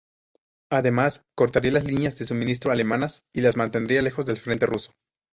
Además, cortaría las líneas de suministro alemanas y las mantendría lejos del frente ruso.